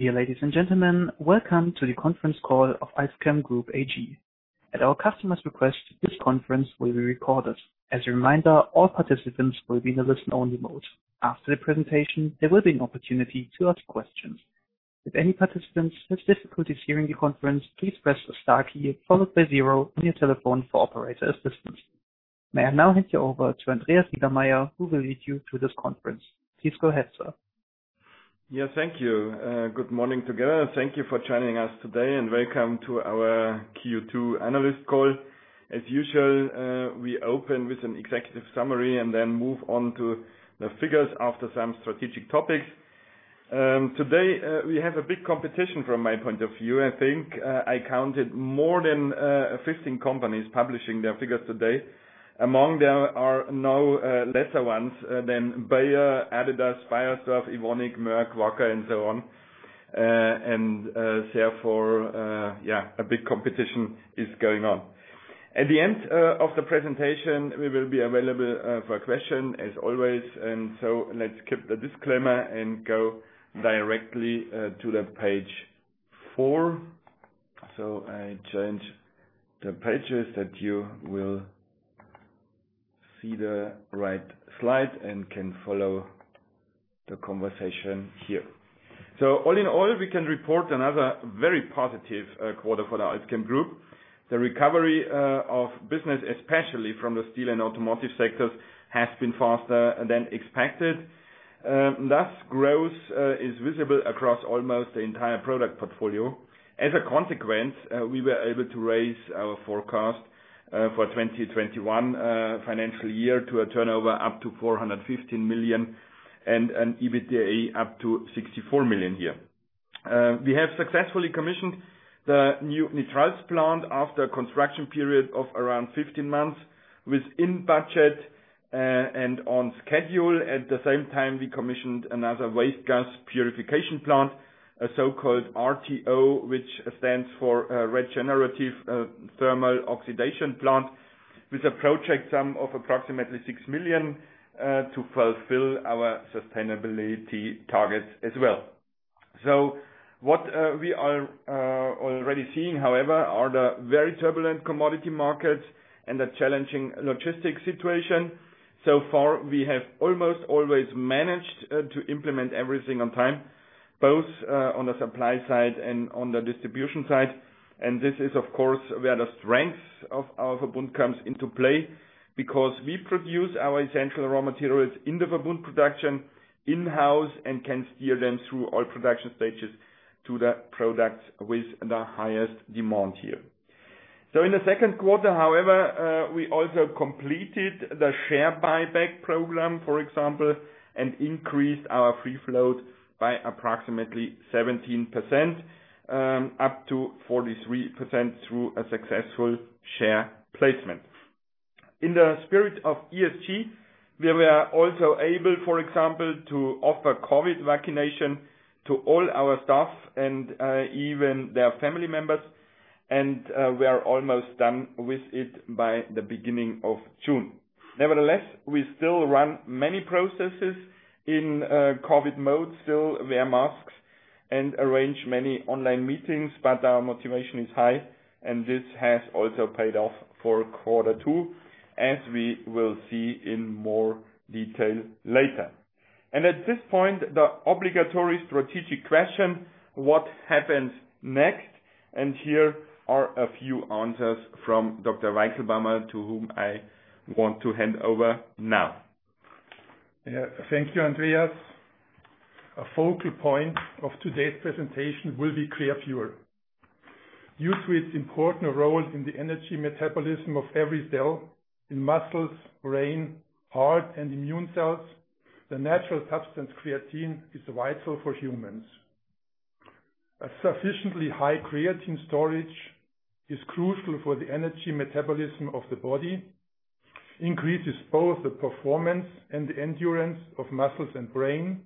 Dear ladies and gentlemen, welcome to the conference call of AlzChem Group AG. At our customer's request, this conference will be recorded. As a reminder, all participants will be in a listen-only mode. After the presentation, there will be an opportunity to ask questions. If any participants have difficulties hearing the conference, please press the star key followed by zero on your telephone for operator assistance. May I now hand you over to Andreas Lösler, who will lead you through this conference. Please go ahead, sir. Yes, thank you. Good morning together. Thank you for joining us today, and welcome to our Q2 analyst call. As usual, we open with an executive summary and then move on to the figures after some strategic topics. Today, we have a big competition from my point of view. I think I counted more than 15 companies publishing their figures today. Among them are no lesser ones than Bayer, Adidas, Beiersdorf, Evonik, Merck, Wacker, and so on. Therefore, a big competition is going on. At the end of the presentation, we will be available for questions, as always. Let's skip the disclaimer and go directly to page four. I change the pages that you will see the right slide and can follow the conversation here. All in all, we can report another very positive quarter for the AlzChem Group. The recovery of business, especially from the steel and automotive sectors, has been faster than expected. Growth is visible across almost the entire product portfolio. We were able to raise our forecast for 2021 financial year to a turnover up to 415 million and an EBITDA up to 64 million a year. We have successfully commissioned the new nitriles plant after a construction period of around 15 months, within budget and on schedule. At the same time, we commissioned another waste gas purification plant, a so-called RTO, which stands for Regenerative Thermal Oxidation plant, with a project sum of approximately 6 million to fulfill our sustainability targets as well. What we are already seeing, however, are the very turbulent commodity markets and the challenging logistics situation. So far, we have almost always managed to implement everything on time, both on the supply side and on the distribution side. This is, of course, where the strength of our Verbund comes into play because we produce our essential raw materials in the Verbund production in-house and can steer them through all production stages to the products with the highest demand here. In the second quarter, however, we also completed the share buyback program, for example, and increased our free float by approximately 17%, up to 43% through a successful share placement. In the spirit of ESG, we were also able, for example, to offer COVID vaccination to all our staff and even their family members, and we are almost done with it by the beginning of June. Nevertheless, we still run many processes in COVID mode, still wear masks and arrange many online meetings, but our motivation is high, and this has also paid off for quarter two, as we will see in more detail later. At this point, the obligatory strategic question, what happens next? Here are a few answers from Dr. Georg Weichselbaumer, to whom I want to hand over now. Yeah. Thank you, Andreas. A focal point of today's presentation will be Creapure. Due to its important role in the energy metabolism of every cell in muscles, brain, heart, and immune cells, the natural substance creatine is vital for humans. A sufficiently high creatine storage is crucial for the energy metabolism of the body, increases both the performance and the endurance of muscles and brain,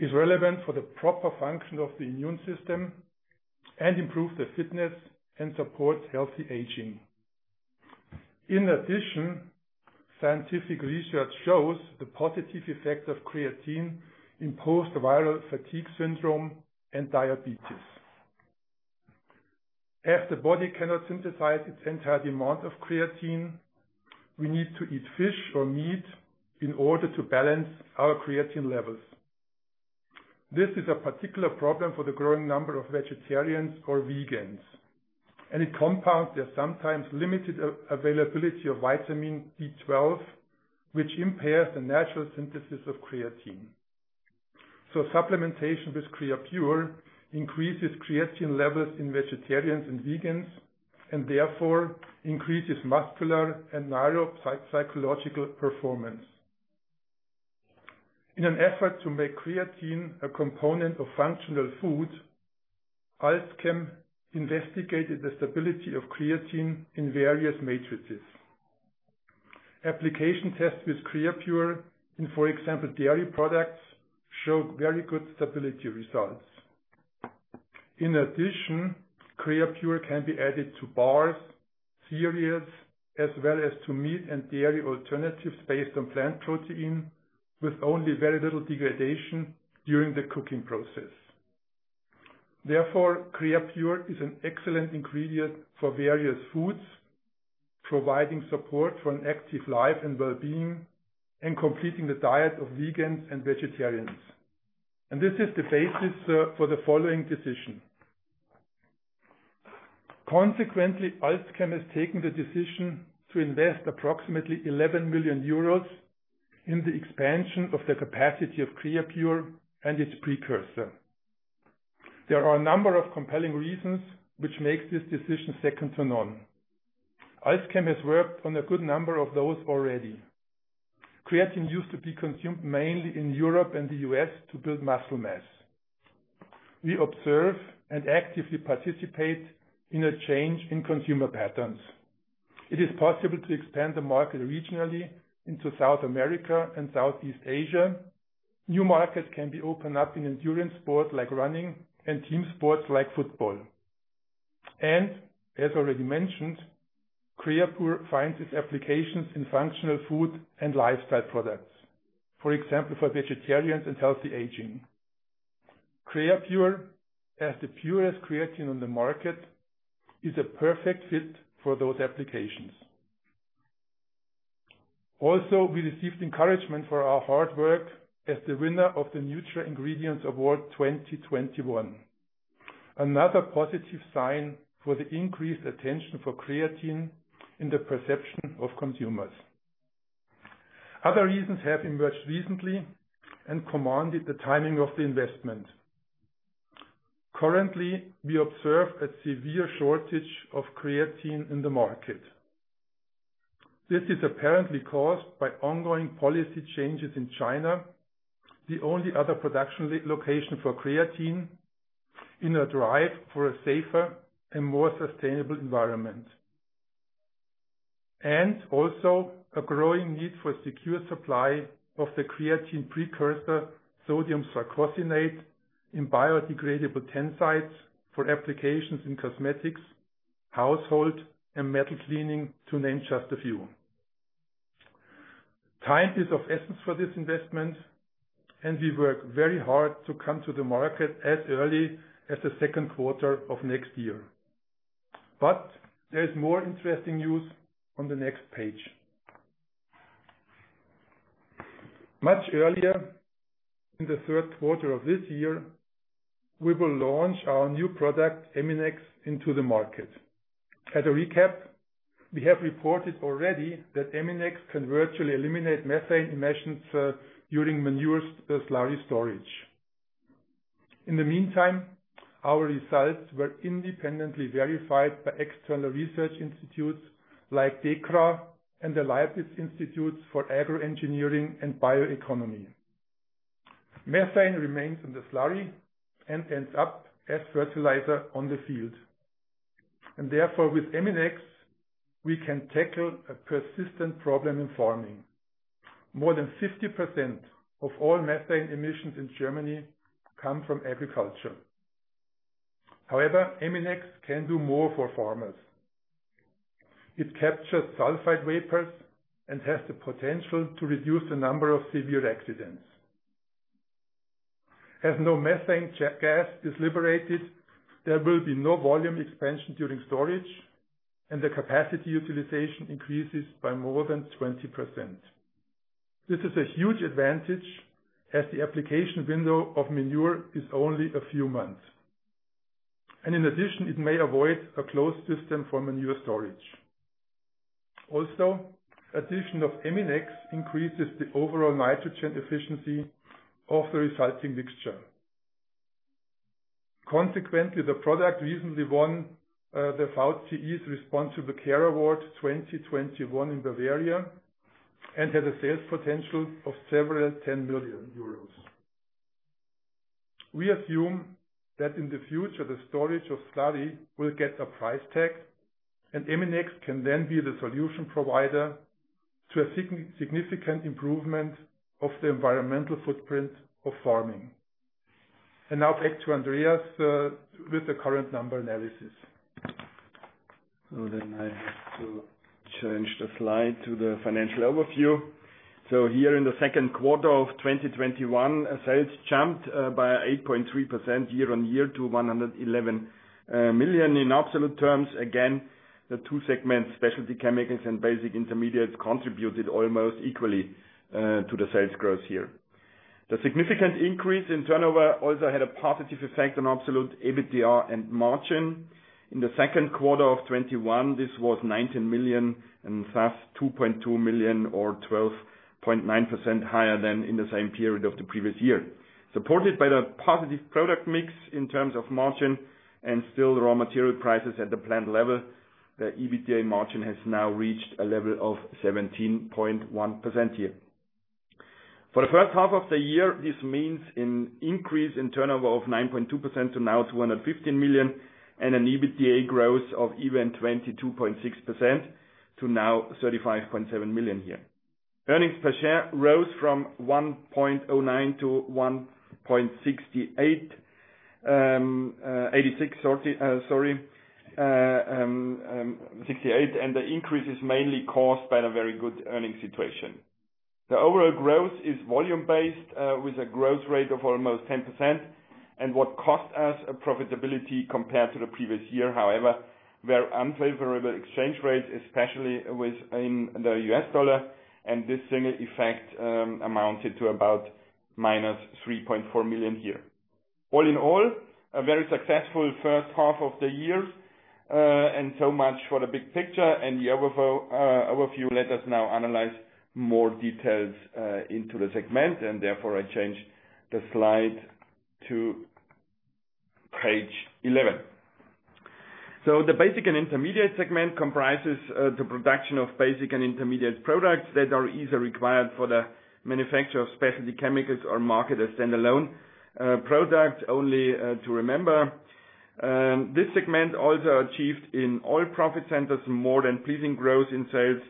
is relevant for the proper function of the immune system, and improve the fitness and support healthy aging. In addition, scientific research shows the positive effects of creatine in post-viral fatigue syndrome and diabetes. As the body cannot synthesize its entire amount of creatine, we need to eat fish or meat in order to balance our creatine levels. This is a particular problem for the growing number of vegetarians or vegans, and it compounds their sometimes limited availability of vitamin B12, which impairs the natural synthesis of creatine. Supplementation with Creapure increases creatine levels in vegetarians and vegans, and therefore increases muscular and neuropsychological performance. In an effort to make creatine a component of functional food, AlzChem investigated the stability of creatine in various matrices. Application tests with Creapure in, for example, dairy products, showed very good stability results. In addition, Creapure can be added to bars, cereals, as well as to meat and dairy alternatives based on plant protein, with only very little degradation during the cooking process. Therefore, Creapure is an excellent ingredient for various foods, providing support for an active life and wellbeing, and completing the diet of vegans and vegetarians. This is the basis for the following decision. Consequently, AlzChem has taken the decision to invest approximately 11 million euros in the expansion of the capacity of Creapure and its precursor. There are a number of compelling reasons which makes this decision second to none. AlzChem has worked on a good number of those already. Creatine used to be consumed mainly in Europe and the U.S. to build muscle mass. We observe and actively participate in a change in consumer patterns. It is possible to expand the market regionally into South America and Southeast Asia. New markets can be opened up in endurance sports like running and team sports like football. As already mentioned, Creapure finds its applications in functional food and lifestyle products. For example, for vegetarians and healthy aging. Creapure, as the purest creatine on the market, is a perfect fit for those applications. We received encouragement for our hard work as the winner of the NutraIngredients Award 2021. Another positive sign for the increased attention for creatine in the perception of consumers. Other reasons have emerged recently and commanded the timing of the investment. Currently, we observe a severe shortage of creatine in the market. This is apparently caused by ongoing policy changes in China, the only other production location for creatine, in a drive for a safer and more sustainable environment. A growing need for secure supply of the creatine precursor, sodium sarcosinate, in biodegradable surfactants for applications in cosmetics, household and metal cleaning, to name just a few. Time is of essence for this investment, and we work very hard to come to the market as early as the second quarter of next year. There is more interesting news on the next page. Much earlier, in the third quarter of this year, we will launch our new product, Eminex, into the market. As a recap, we have reported already that Eminex can virtually eliminate methane emissions during manure slurry storage. In the meantime, our results were independently verified by external research institutes like DEKRA and the Leibniz Institute for Agricultural Engineering and Bioeconomy. Methane remains in the slurry and ends up as fertilizer on the field. Therefore, with Eminex, we can tackle a persistent problem in farming. More than 50% of all methane emissions in Germany come from agriculture. However, Eminex can do more for farmers. It captures sulfide vapors and has the potential to reduce the number of severe accidents. As no methane gas is liberated, there will be no volume expansion during storage, and the capacity utilization increases by more than 20%. This is a huge advantage, as the application window of manure is only a few months. In addition, it may avoid a closed system for manure storage. Addition of Eminex increases the overall nitrogen efficiency of the resulting mixture. The product recently won the VCI Responsible Care Award 2021 in Bavaria and has a sales potential of several 10 million euros. We assume that in the future, the storage of slurry will get a price tag, and Eminex can then be the solution provider to a significant improvement of the environmental footprint of farming. Now back to Andreas with the current number analysis. I have to change the slide to the financial overview. Here in the second quarter of 2021, sales jumped by 8.3% year-over-year to 111 million in absolute terms. Again, the two segments, Specialty Chemicals and Basics & Intermediates, contributed almost equally to the sales growth here. The significant increase in turnover also had a positive effect on absolute EBITDA and margin. In the second quarter of 2021, this was 19 million and thus 2.2 million or 12.9% higher than in the same period of the previous year. Supported by the positive product mix in terms of margin and still raw material prices at the planned level, the EBITDA margin has now reached a level of 17.1% here. For the 1st half of the year, this means an increase in turnover of 9.2% to now 215 million and an EBITDA growth of even 22.6% to now 35.7 million here. Earnings per share rose from 1.09 to 1.68, and the increase is mainly caused by the very good earnings situation. The overall growth is volume-based, with a growth rate of almost 10%. What cost us profitability compared to the previous year, however, were unfavorable exchange rates, especially within the US dollar, and this single effect amounted to about minus 3.4 million here. All in all, a very successful 1st half of the year. So much for the big picture and the overview. Let us now analyze more details into the segment, and therefore I change the slide to page 11. The Basics & Intermediates segment comprises the production of basic and intermediate products that are either required for the manufacture of Specialty Chemicals or market as standalone products. Only to remember, this segment also achieved in all profit centers, more than pleasing growth in sales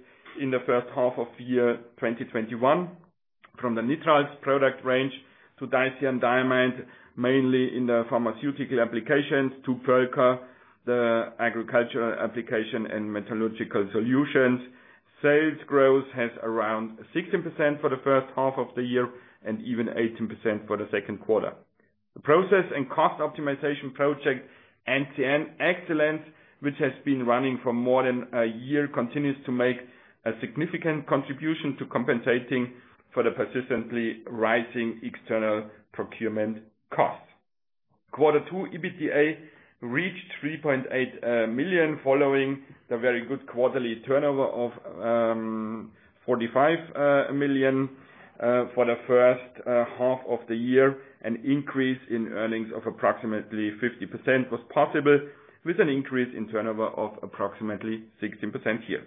in the first half of the year 2021. From the nitriles product range to DYHARD, mainly in the pharmaceutical applications to Perlka, the agricultural application and metallurgical solutions. Sales growth has around 16% for the first half of the year and even 18% for the second quarter. The process and cost optimization project, NCN Excellence, which has been running for more than a year, continues to make a significant contribution to compensating for the persistently rising external procurement costs. Quarter two, EBITDA reached 3.8 million, following the very good quarterly turnover of 45 million for the first half of the year. An increase in earnings of approximately 50% was possible, with an increase in turnover of approximately 16% here.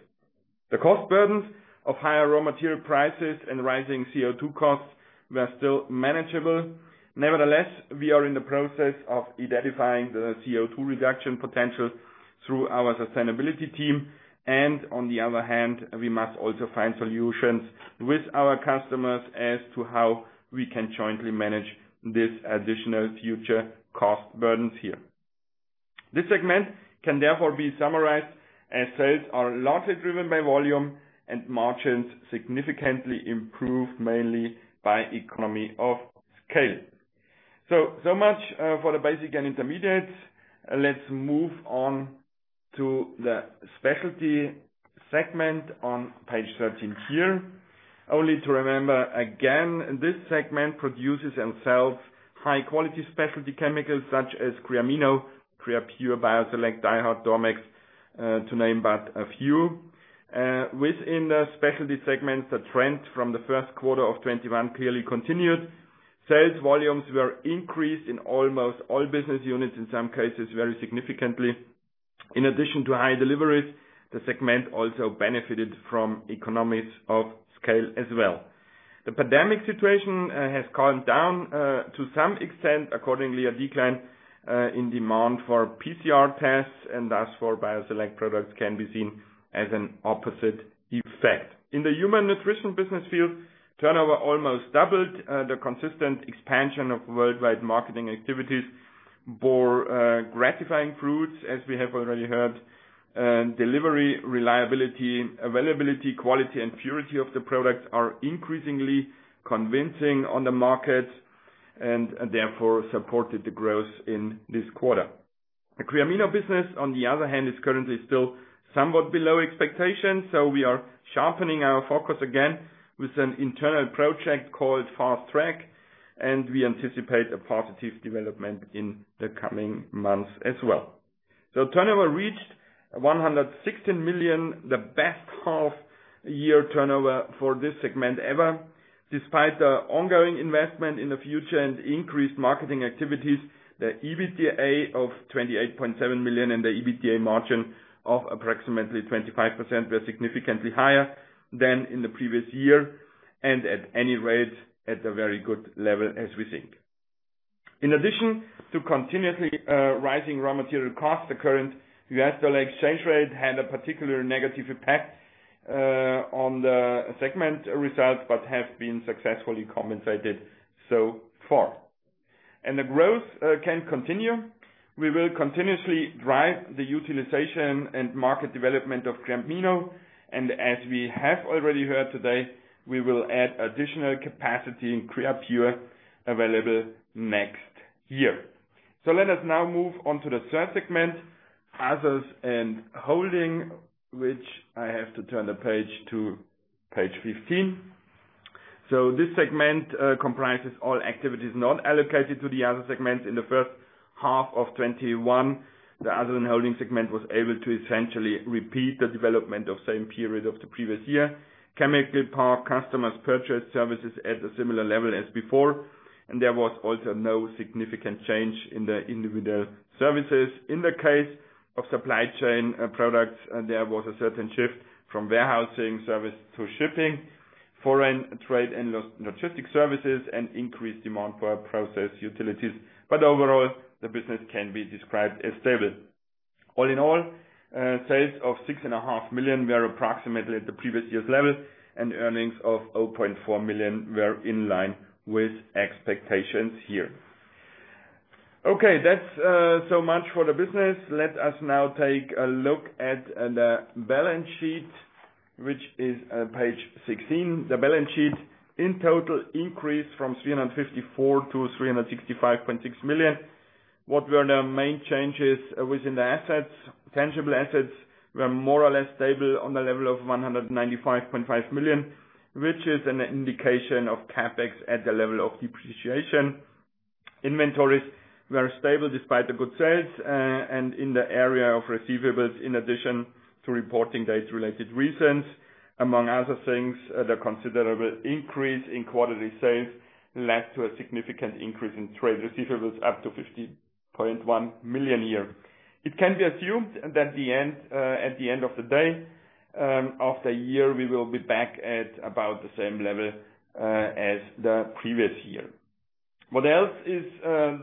The cost burdens of higher raw material prices and rising CO2 costs were still manageable. Nevertheless, we are in the process of identifying the CO2 reduction potential through our sustainability team, and on the other hand, we must also find solutions with our customers as to how we can jointly manage these additional future cost burdens here. This segment can therefore be summarized as sales are largely driven by volume and margins significantly improved mainly by economy of scale. Much for the Basics & Intermediates. Let's move on to the Specialty Chemicals segment on page 13 here. Only to remember again, this segment produces and sells high-quality specialty chemicals such as Creamino, Creapure, BioSelect, DYHARD, Dormex, to name but a few. Within the Specialty Chemicals segment, the trend from the first quarter of 2021 clearly continued. Sales volumes were increased in almost all business units, in some cases very significantly. In addition to high deliveries, the segment also benefited from economies of scale as well. The pandemic situation has calmed down to some extent. Accordingly, a decline in demand for PCR tests and thus for BioSelect products can be seen as an opposite effect. In the human nutrition business field, turnover almost doubled. The consistent expansion of worldwide marketing activities bore gratifying fruits, as we have already heard. Delivery reliability, availability, quality, and purity of the products are increasingly convincing on the market and therefore supported the growth in this quarter. The Creamino business, on the other hand, is currently still somewhat below expectations, so we are sharpening our focus again with an internal project called Fast Track, and we anticipate a positive development in the coming months as well. Turnover reached 116 million, the best half year turnover for this segment ever. Despite the ongoing investment in the future and increased marketing activities, the EBITDA of 28.7 million and the EBITDA margin of approximately 25% were significantly higher than in the previous year and at any rate, at a very good level as we think. In addition to continuously rising raw material costs, the current US dollar exchange rate had a particular negative impact on the segment results, but have been successfully compensated so far. The growth can continue. We will continuously drive the utilization and market development of Creamino, and as we have already heard today, we will add additional capacity in Creapure available next year. Let us now move on to the third segment, Other & Holding, which I have to turn the page to page 15. This segment comprises all activities not allocated to the other segments. In the first half of 2021, the Other & Holding segment was able to essentially repeat the development of same period of the previous year. Chemical Park customers purchased services at a similar level as before, and there was also no significant change in the individual services. In the case of supply chain products, there was a certain shift from warehousing service to shipping, foreign trade and logistics services, and increased demand for process utilities. Overall, the business can be described as stable. All in all, sales of 6.5 million were approximately at the previous year's level, and earnings of 0.4 million were in line with expectations here. Okay, that's so much for the business. Let us now take a look at the balance sheet, which is page 16. The balance sheet in total increased from 354 million to 365.6 million. What were the main changes within the assets? Tangible assets were more or less stable on the level of 195.5 million, which is an indication of CapEx at the level of depreciation. Inventories were stable despite the good sales, and in the area of receivables, in addition to reporting dates-related reasons, among other things, the considerable increase in quarterly sales led to a significant increase in trade receivables, up to 50.1 million a year. It can be assumed that at the end of the day, after a year, we will be back at about the same level as the previous year. What else is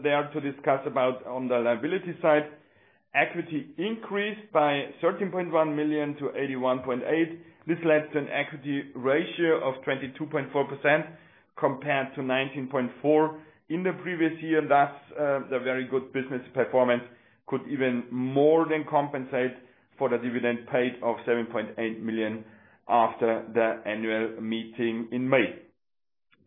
there to discuss about on the liability side? Equity increased by 13.1 million to 81.8 million. This led to an equity ratio of 22.4% compared to 19.4% in the previous year. The very good business performance could even more than compensate for the dividend paid of 7.8 million after the annual meeting in May.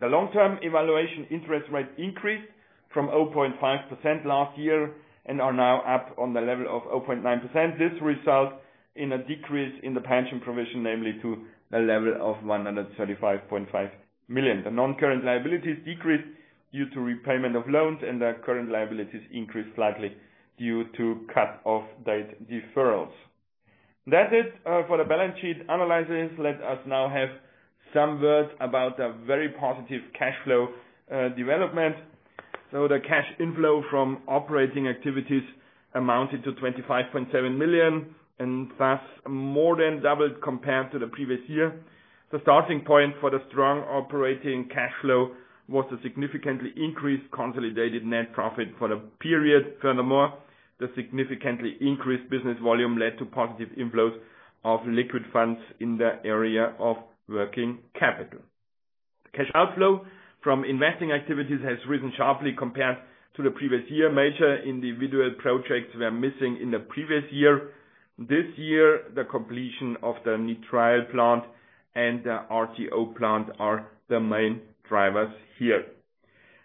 The long-term evaluation interest rate increased from 0.5% last year and are now up on the level of 0.9%. This results in a decrease in the pension provision, namely to the level of 135.5 million. The non-current liabilities decreased due to repayment of loans and the current liabilities increased slightly due to cut-off date deferrals. That's it for the balance sheet analysis. Let us now have some words about the very positive cash flow development. The cash inflow from operating activities amounted to 25.7 million and thus more than doubled compared to the previous year. The starting point for the strong operating cash flow was a significantly increased consolidated net profit for the period. Furthermore, the significantly increased business volume led to positive inflows of liquid funds in the area of working capital. Cash outflow from investing activities has risen sharply compared to the previous year. Major individual projects were missing in the previous year. This year, the completion of the nitrile plant and the RTO plant are the main drivers here.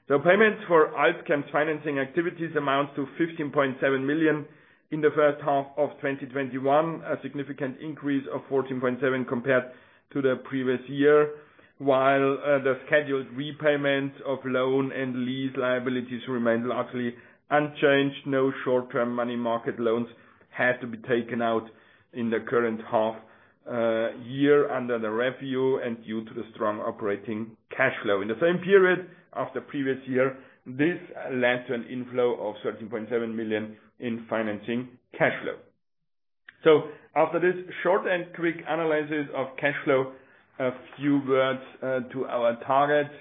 Payments for AlzChem's financing activities amount to 15.7 million in the first half of 2021, a significant increase of 14.7 compared to the previous year. While the scheduled repayments of loan and lease liabilities remained largely unchanged, no short-term money market loans had to be taken out in the current half-year under review and due to the strong operating cash flow. In the same period of the previous year, this led to an inflow of 13.7 million in financing cash flow. After this short and quick analysis of cash flow, a few words to our targets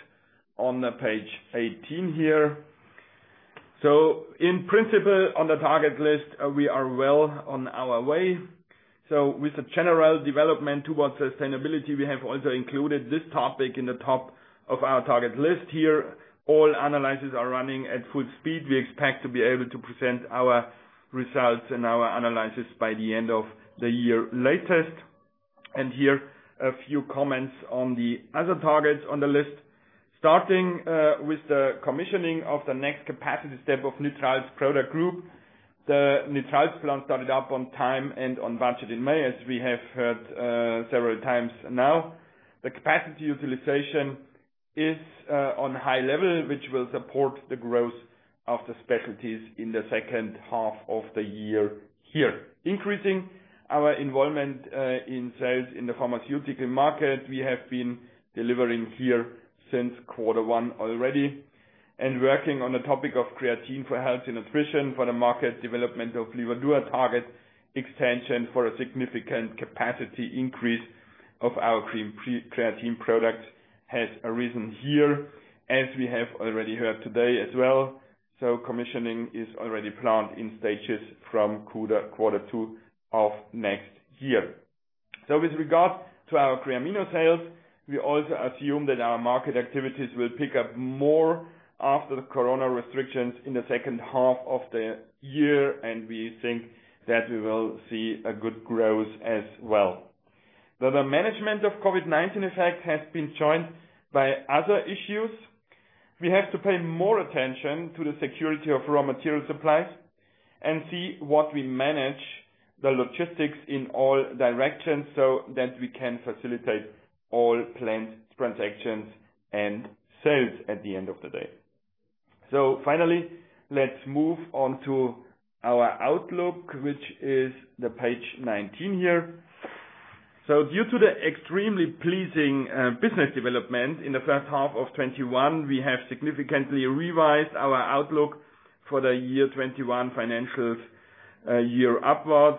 on page 18 here. In principle, on the target list, we are well on our way. With the general development towards sustainability, we have also included this topic in the top of our target list here. All analyses are running at full speed. We expect to be able to present our results and our analyses by the end of the year latest. Here, a few comments on the other targets on the list. Starting with the commissioning of the next capacity step of nitriles' product group. The nitrile plant started up on time and on budget in May, as we have heard several times now. The capacity utilization is on high level, which will support the growth of the Specialties in the second half of the year here. Increasing our involvement in sales in the pharmaceutical market, we have been delivering here since quarter one already and working on the topic of creatine for health and nutrition for the market development of Livadur target extension for a significant capacity increase of our creatine products has arisen here, as we have already heard today as well. Commissioning is already planned in stages from quarter two of next year. With regard to our Creamino sales, we also assume that our market activities will pick up more after the Corona restrictions in the second half of the year, and we think that we will see a good growth as well. The management of COVID-19 effect has been joined by other issues. We have to pay more attention to the security of raw material supplies and see what we manage the logistics in all directions so that we can facilitate all planned transactions and sales at the end of the day. Finally, let's move on to our outlook, which is the page 19 here. Due to the extremely pleasing business development in the first half of 2021, we have significantly revised our outlook for the year 2021 financials year upwards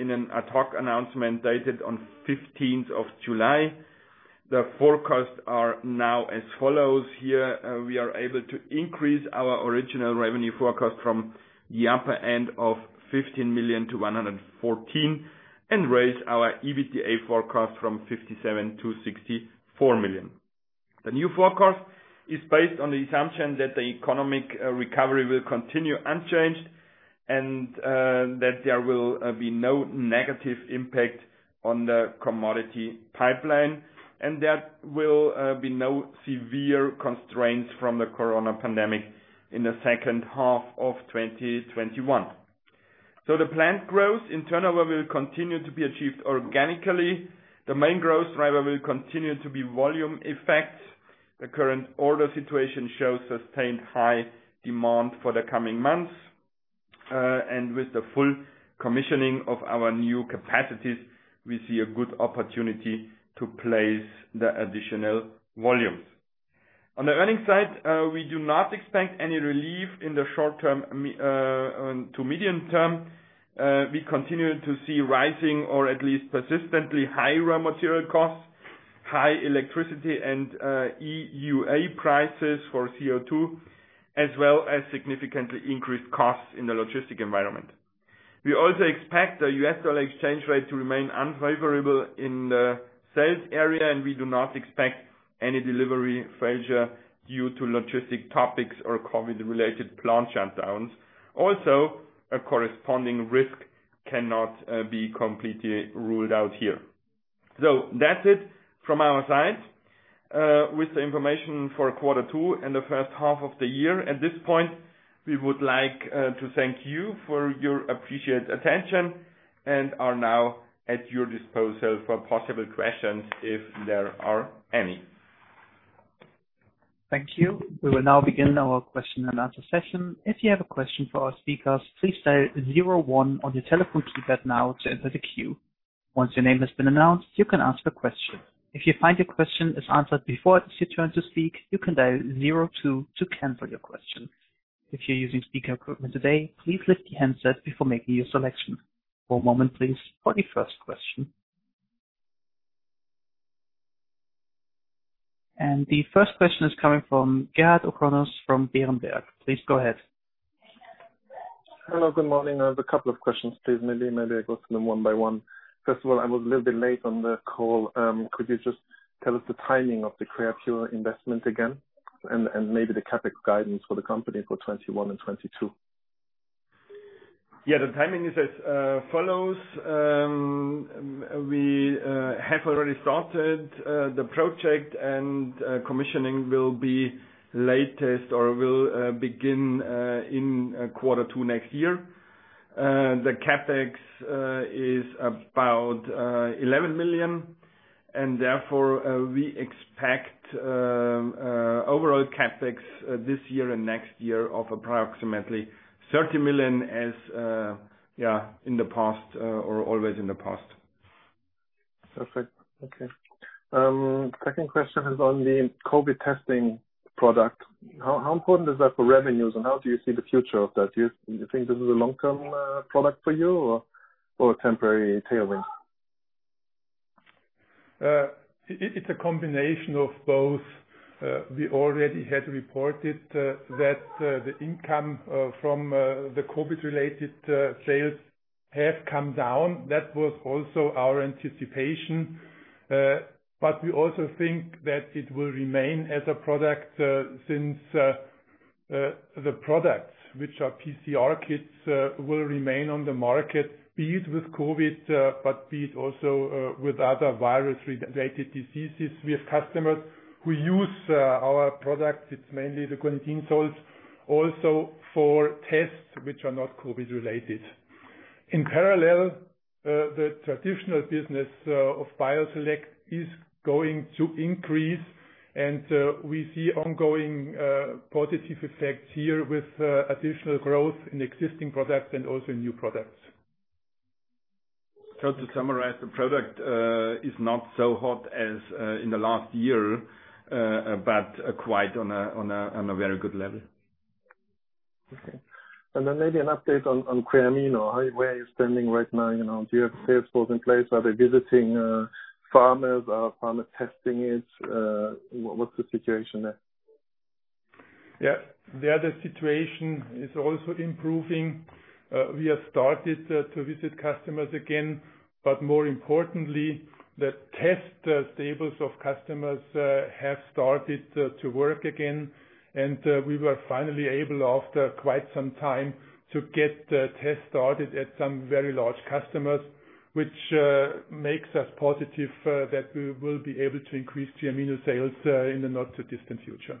in an ad hoc announcement dated on 15th of July. The forecasts are now as follows here. We are able to increase our original revenue forecast from the upper end of 15 million- 114 million and raise our EBITDA forecast from 57 million-64 million. The new forecast is based on the assumption that the economic recovery will continue unchanged, and that there will be no negative impact on the commodity pipeline, and there will be no severe constraints from the COVID pandemic in the second half of 2021. The planned growth in turnover will continue to be achieved organically. The main growth driver will continue to be volume effects. The current order situation shows sustained high demand for the coming months. With the full commissioning of our new capacities, we see a good opportunity to place the additional volumes. On the earnings side, we do not expect any relief in the short term to medium term. We continue to see rising or at least persistently high raw material costs, high electricity and EUA prices for CO2, as well as significantly increased costs in the logistics environment. We also expect the US dollar exchange rate to remain unfavorable in the sales area, and we do not expect any delivery failure due to logistics topics or COVID-related plant shutdowns. Also, a corresponding risk cannot be completely ruled out here. That's it from our side, with the information for quarter two and the first half of the year. At this point, we would like to thank you for your appreciated attention, and are now at your disposal for possible questions if there are any. Thank you. We will now begin our question-and-answer session. The first question is coming from Gerhard Orgonas from Berenberg. Please go ahead. Hello, good morning. I have a couple of questions, please. Maybe I go through them one by one. First of all, I was a little bit late on the call. Could you just tell us the timing of the Creapure investment again and maybe the CapEx guidance for the company for 2021 and 2022? Yeah, the timing is as follows. We have already started the project and commissioning will be latest or will begin in quarter two next year. The CapEx is about 11 million, and therefore we expect overall CapEx this year and next year of approximately 30 million as in the past or always in the past. Perfect. Second question is on the COVID testing product. How important is that for revenues and how do you see the future of that? Do you think this is a long-term product for you or a temporary tailwind? It's a combination of both. We already had reported that the income from the COVID related sales have come down. That was also our anticipation. We also think that it will remain as a product since the products, which are PCR kits, will remain on the market, be it with COVID, but be it also with other virus-related diseases. We have customers who use our products. It's mainly the guanidine salts also for tests which are not COVID related. In parallel, the traditional business of BioSelect is going to increase and we see ongoing positive effects here with additional growth in existing products and also new products. To summarize, the product is not so hot as in the last year, but quite on a very good level. Okay. Maybe an update on Creamino. Where are you standing right now? Do you have sales force in place? Are they visiting farmers? Are farmers testing it? What's the situation there? There, the situation is also improving. We have started to visit customers again, but more importantly, the test stables of customers have started to work again, and we were finally able after quite some time to get the test started at some very large customers, which makes us positive that we will be able to increase Creamino sales in the not too distant future.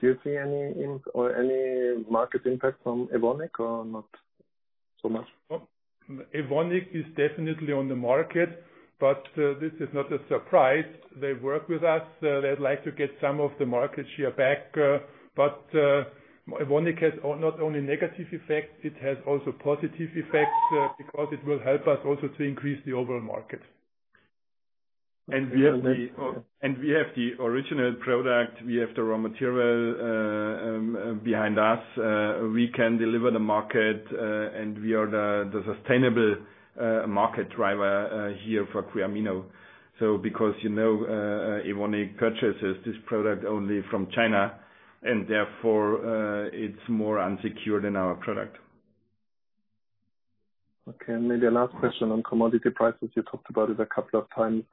Do you see any market impact from Evonik or not so much? Evonik is definitely on the market, this is not a surprise. They work with us. They'd like to get some of the market share back. Evonik has not only negative effects, it has also positive effects because it will help us also to increase the overall market. We have the original product, we have the raw material behind us. We can deliver the market, we are the sustainable market driver here for Creamino. Because Evonik purchases this product only from China, therefore, it's more unsecured than our product. Okay, maybe a last question on commodity prices. You talked about it a couple of times,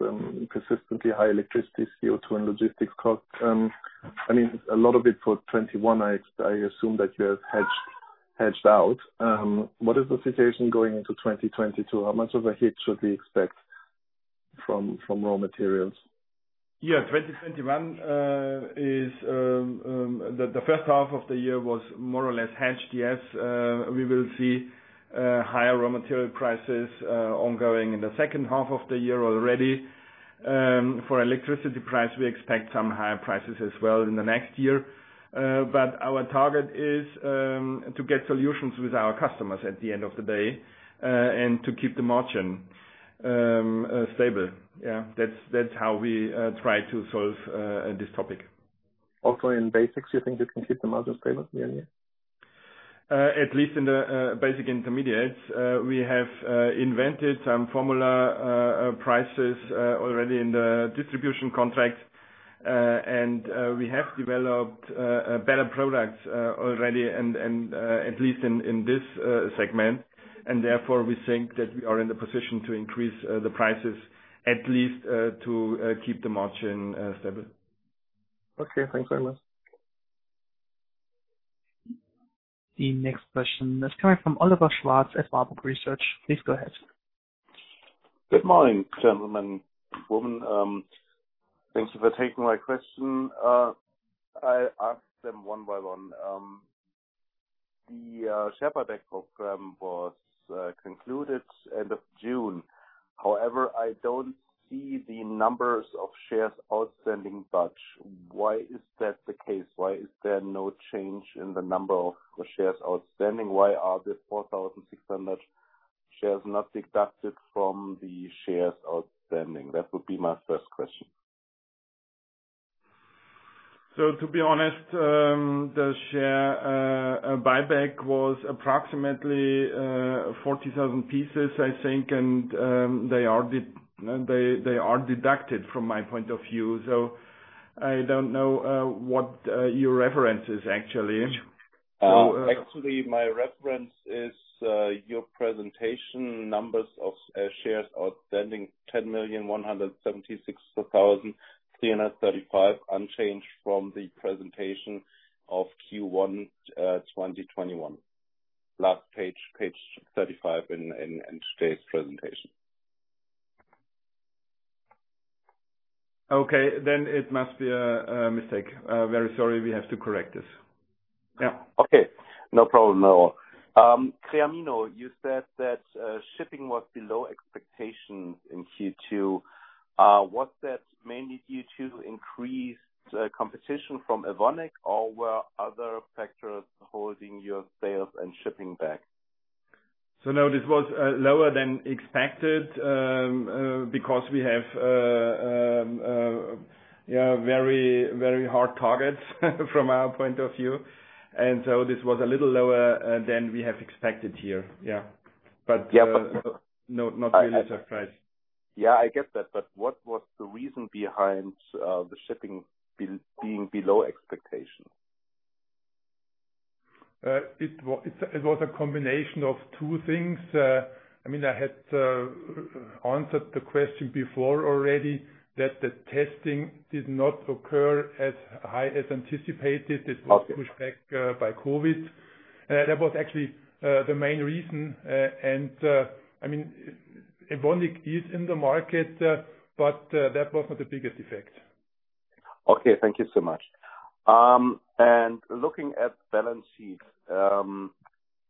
consistently high electricity, CO2, and logistics costs. A lot of it for 2021, I assume that you have hedged out. What is the situation going into 2022? How much of a hit should we expect from raw materials? 2021, the first half of the year was more or less hedged. We will see higher raw material prices ongoing in the second half of the year already. For electricity price, we expect some higher prices as well in the next year. Our target is to get solutions with our customers at the end of the day, and to keep the margin stable. That's how we try to solve this topic. In Basics, you think you can keep the margins stable, nearly? At least in the Basics & Intermediates. We have invented some formula prices already in the distribution contract. We have developed better products already, and at least in this segment. Therefore, we think that we are in the position to increase the prices, at least to keep the margin stable. Okay. Thanks very much. The next question is coming from Oliver Schwarz at Warburg Research. Please go ahead. Good morning, gentlemen. Woman. Thanks for taking my question. I ask them one by one. The share buyback program was concluded end of June. I don't see the numbers of shares outstanding budge. Why is that the case? Why is there no change in the number of shares outstanding? Why are the 4,600 shares not deducted from the shares outstanding? That would be my first question. To be honest, the share buyback was approximately 40,000 pieces, I think. They are deducted from my point of view. I don't know what your reference is, actually. Actually, my reference is your presentation numbers of shares outstanding, 10,176,335 unchanged from the presentation of Q1 2021. Last page 35 in today's presentation. Okay, it must be a mistake. Very sorry, we have to correct this. Okay. No problem at all. Creamino, you said that shipping was below expectations in Q2. Was that mainly due to increased competition from Evonik, or were other factors holding your sales and shipping back? No, this was lower than expected, because we have very hard targets from our point of view. This was a little lower than we have expected here, yeah. Yeah. No, not really a surprise. Yeah, I get that. What was the reason behind the shipping being below expectation? It was a combination of two things. I had answered the question before already that the testing did not occur as high as anticipated. Okay. It was pushed back by COVID. That was actually the main reason. Evonik is in the market, but that was not the biggest effect. Okay, thank you so much. Looking at balance sheets.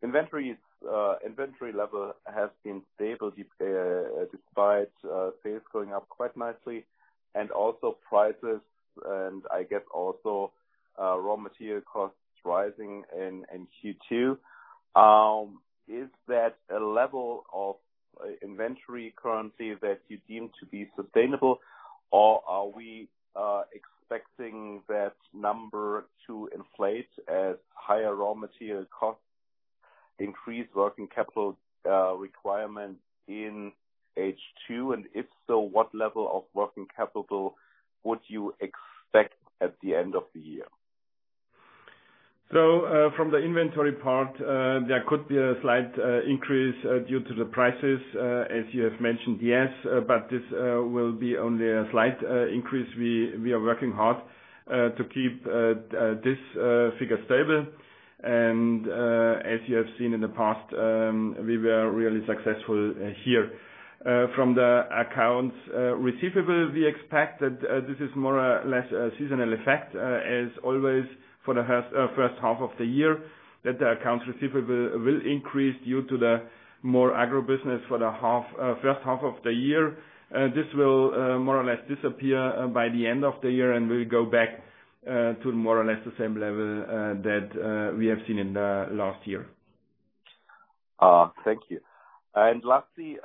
Inventory level has been stable despite sales going up quite nicely, and also prices, and I guess also raw material costs rising in Q2. Is that a level of inventory currently that you deem to be sustainable, or are we expecting that number to inflate as higher raw material costs increase working capital requirements in H2? If so, what level of working capital would you expect at the end of the year? From the inventory part, there could be a slight increase due to the prices, as you have mentioned, yes. This will be only a slight increase. We are working hard to keep this figure stable. As you have seen in the past, we were really successful here. From the accounts receivable, we expect that this is more or less a seasonal effect, as always for the first half of the year, that the accounts receivable will increase due to the more agro business for the first half of the year. This will more or less disappear by the end of the year, and we'll go back to more or less the same level that we have seen in the last year. Thank you. Lastly,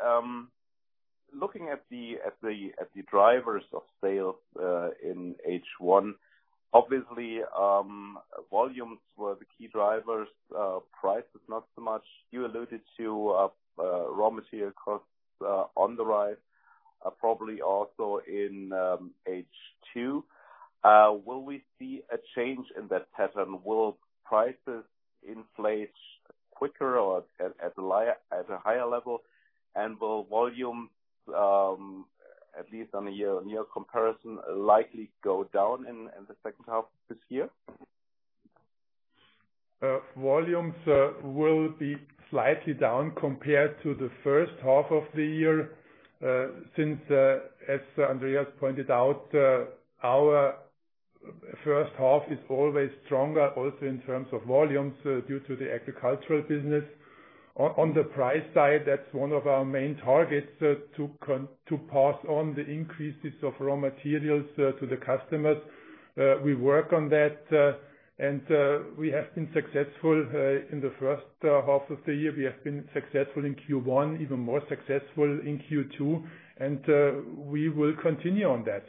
looking at the drivers of sales in H1, obviously, volumes were the key drivers, prices not so much. You alluded to raw material costs on the rise, probably also in H2. Will we see a change in that pattern? Will prices inflate quicker or at a higher level? Will volume, at least on a year-on-year comparison, likely go down in the second half of this year? Volumes will be slightly down compared to the first half of the year, since, as Andreas pointed out, our first half is always stronger also in terms of volumes due to the agricultural business. On the price side, that's one of our main targets to pass on the increases of raw materials to the customers. We work on that, and we have been successful in the first half of the year. We have been successful in Q1, even more successful in Q2, and we will continue on that.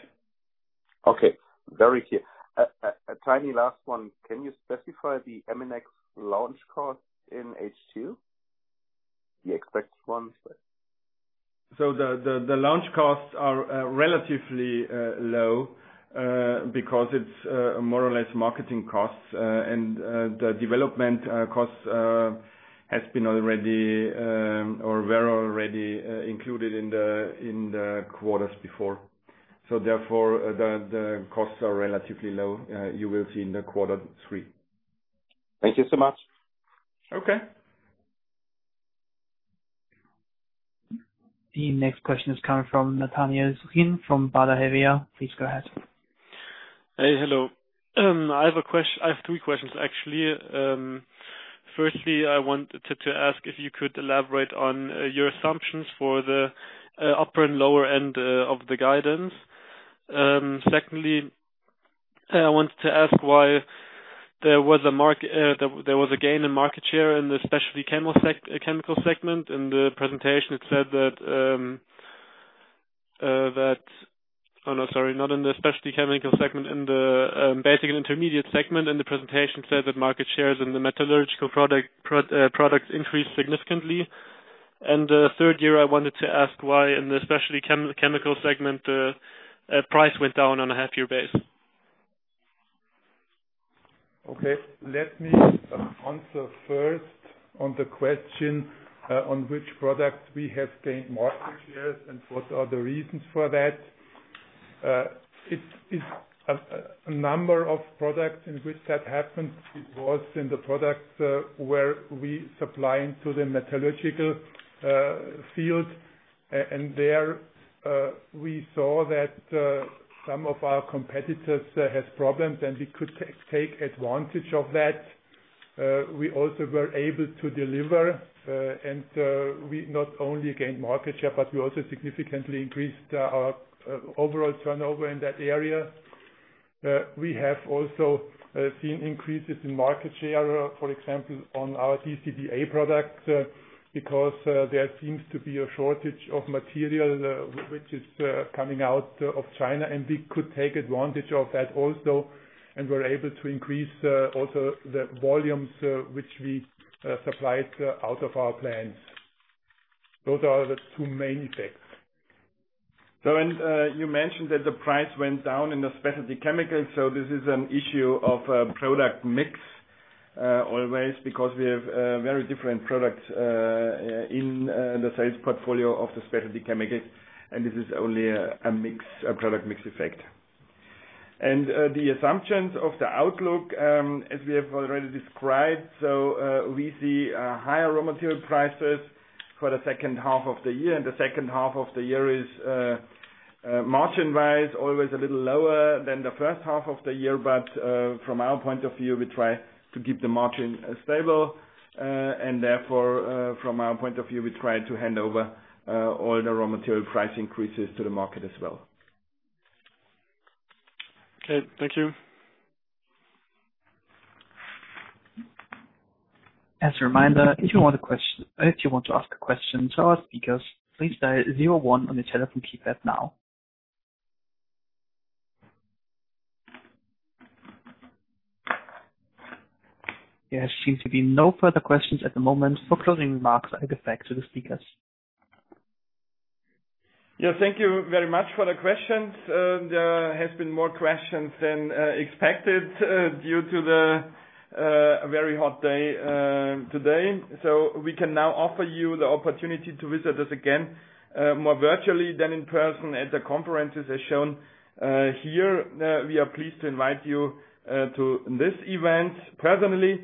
Okay. Very clear. A tiny last one. Can you specify the Eminex launch cost in H2? The expected ones. The launch costs are relatively low, because it's more or less marketing costs, and the development costs were already included in the quarters before. Therefore, the costs are relatively low. You will see in the quarter three. Thank you so much. Okay. The next question is coming from Nathaniel Zugin from Badajevia. Please go ahead. Hey, hello. I have three questions, actually. Firstly, I wanted to ask if you could elaborate on your assumptions for the upper and lower end of the guidance. Secondly, I wanted to ask why there was a gain in market share in the Specialty Chemicals segment. In the presentation, it said that not in the Specialty Chemicals segment, in the Basics & Intermediates segment. The presentation said that market shares in the metallurgical products increased significantly. Third here, I wanted to ask why in the Specialty Chemicals segment, price went down on a half year base. Okay, let me answer first on the question on which products we have gained market shares and what are the reasons for that. It is a number of products in which that happened. It was in the products where we supply into the metallurgical field. There, we saw that some of our competitors had problems, and we could take advantage of that. We also were able to deliver, and we not only gained market share, but we also significantly increased our overall turnover in that area. We have also seen increases in market share, for example, on our TCPA products, because there seems to be a shortage of material which is coming out of China, and we could take advantage of that also, and we are able to increase also the volumes which we supplied out of our plants. Those are the two main effects. You mentioned that the price went down in the Specialty Chemicals. This is an issue of a product mix, always because we have very different products in the sales portfolio of the Specialty Chemicals, and this is only a product mix effect. The assumptions of the outlook, as we have already described. We see higher raw material prices for the second half of the year, and the second half of the year is margin-wise always a little lower than the first half of the year. From our point of view, we try to keep the margin stable. Therefore, from our point of view, we try to hand over all the raw material price increases to the market as well. Okay. Thank you. As a reminder, if you want to ask a question to our speakers, please dial zero one on your telephone keypad now. There seems to be no further questions at the moment. For closing remarks, I give back to the speakers. Yeah, thank you very much for the questions. There has been more questions than expected due to the very hot day today. We can now offer you the opportunity to visit us again, more virtually than in person at the conferences as shown here. We are pleased to invite you to this event personally.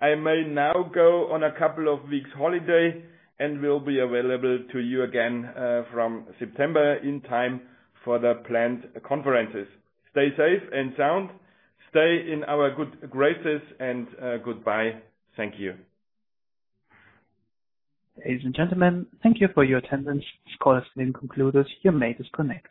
I may now go on a couple of weeks holiday and will be available to you again from September in time for the planned conferences. Stay safe and sound. Stay in our good graces, and goodbye. Thank you. Ladies and gentlemen, thank you for your attendance. This call has been concluded. You may disconnect.